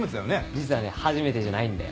実はね初めてじゃないんだよ。